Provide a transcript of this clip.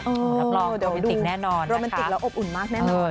รับรองโรแมนติกแน่นอนโรแมนติกแล้วอบอุ่นมากแน่นอน